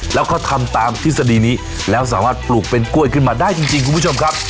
แล้วเขาทำตามทฤษฎีนี้แล้วสามารถปลูกเป็นกล้วยขึ้นมาได้จริงคุณผู้ชมครับ